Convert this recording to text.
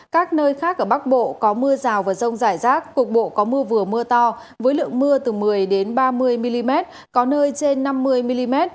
các nơi khác ở bắc bộ có mưa rào và rông rải rác cục bộ có mưa vừa mưa to với lượng mưa từ một mươi ba mươi mm có nơi trên năm mươi mm